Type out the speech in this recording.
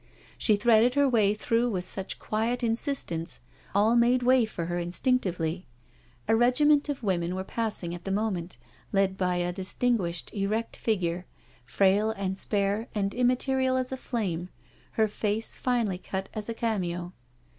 She threaded her way through with such quiet in sistence, all made way for her instinctively. A regi ment of women were passing at the moment, led by a distinguished, erect figure, frail and spare and im material as a flame, her face finely cut as a cameo.